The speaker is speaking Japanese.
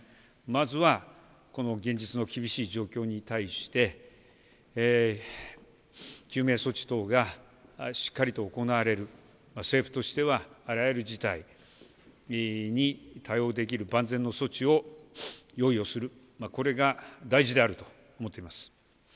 まずはこの現実の厳しい状況に対して、救命措置等がしっかりと行われる、政府としては、あらゆる事態に対応できる万全の措置を用意をする、これが大事であると思っています。